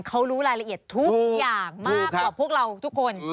เขารู้รายละเอียดทุกอย่างมากกว่าพวกเราทุกคน